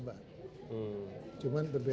jadi kita tetap bersahabat